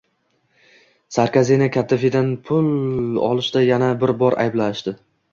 Sarkozini Kaddafidan pul olishda yana bir bor ayblashdi